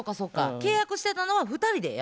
契約してたのは２人でやもんな。